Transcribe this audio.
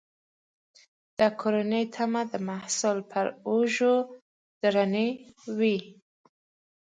د کورنۍ تمې د محصل پر اوږو درنې وي.